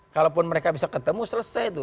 kalau pun mereka bisa ketemu selesai itu